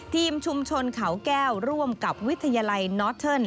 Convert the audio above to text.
ทีมชุมชนเขาแก้วร่วมกับวิทยาลัยนอทเทิร์น